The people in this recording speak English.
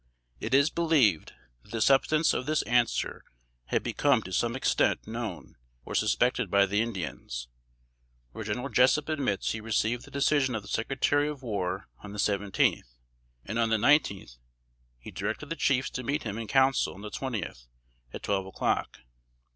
It is believed that the substance of this answer had become to some extent known, or suspected by the Indians, for General Jessup admits he received the decision of the Secretary of War on the seventeenth; and on the nineteenth, he directed the chiefs to meet him in Council on the twentieth, at twelve o'clock.